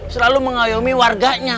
selalu mengayomi warganya